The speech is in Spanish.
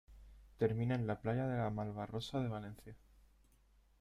Termina en la Playa de la Malvarrosa de Valencia.